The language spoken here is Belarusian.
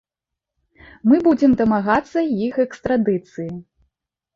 Мы будзем дамагацца іх экстрадыцыі.